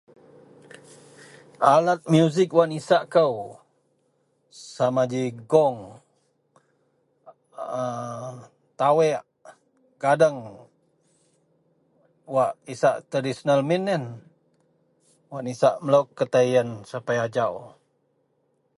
alat musik wak nisak kou sama ji gong aa taweak, kadeng, wak isak tradisonal min ien, wak nisak melou ketaie ien sapai ajau